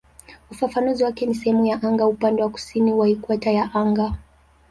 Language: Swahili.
Ufafanuzi wake ni "sehemu ya anga upande wa kusini wa ikweta ya anga".